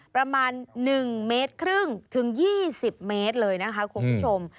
ประมาณ๑เมตรครึ่งถึง๒๐เมตรเลยนะคะคุณผู้ชม